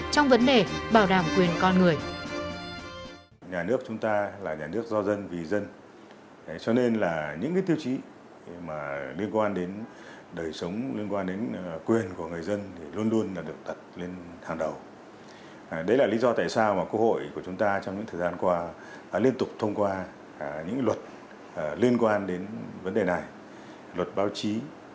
trong vấn đề bảo đảm quyền con người